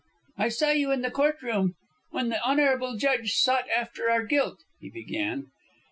"I saw you in the court room, when the honourable judge sought after our guilt," he began.